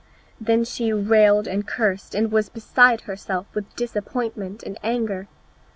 Then she railed and cursed, and was beside herself with disappointment and anger.